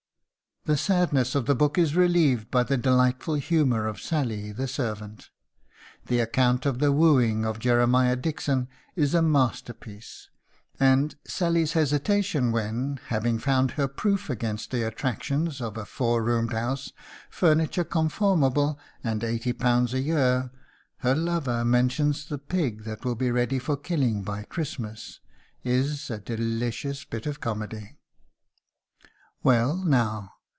The sadness of the book is relieved by the delightful humour of Sally, the servant. The account of the wooing of Jeremiah Dixon is a masterpiece; and Sally's hesitation when, having found her proof against the attractions of "a four roomed house, furniture conformable, and eighty pounds a year," her lover mentions the pig that will be ready for killing by Christmas, is a delicious bit of comedy. "Well, now!